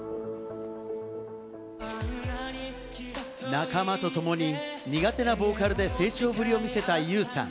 仲間と共に苦手なボーカルで成長ぶりを見せたユウさん。